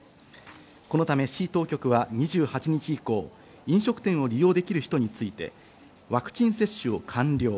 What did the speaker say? このため市当局は２８日以降、飲食店を利用できる人について、ワクチン接種を完了。